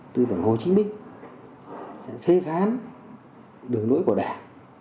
tư tưởng hồ chí minh sẽ phê phán đường nối của đảng